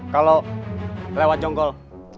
kalau lewat jonggol